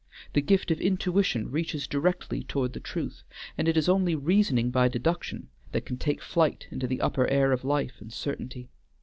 The gift of intuition reaches directly towards the truth, and it is only reasoning by deduction that can take flight into the upper air of life and certainty.